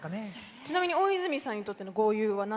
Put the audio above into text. ちなみに大泉さんにとっての豪遊は？